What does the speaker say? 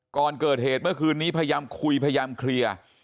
ก่อนเกิดเหตุเมื่อคืนนี้พยายามคุยพยายามเคลียร์